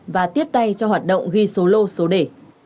và tiếp tay cho hoạt động ghi số lô số đề